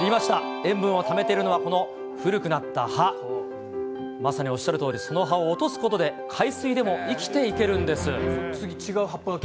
塩分をためているのはこの古くなった葉、まさにおっしゃるとおり、その葉を落とすことで、海水でも生きていけるんです。